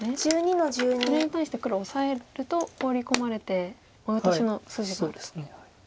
それに対して黒オサえるとホウリ込まれてオイオトシの筋があると。